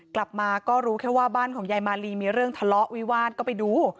กลับมาก็รู้แค่ว่าบ้านของยายมาลีมีเรื่องทะเลาะวิวาสก็ไปดู